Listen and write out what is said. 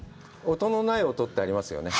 音のない音ってありますよね。